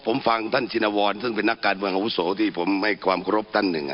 ผมประทวงข้อ๙ครับ